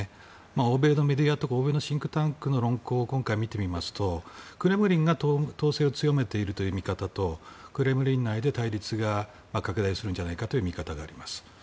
欧米のメディアとか欧米のシンクタンクの論考を見てみますとクレムリンが統制を強めているという見方とクレムリン内で対立が拡大するんじゃないかという見方があります。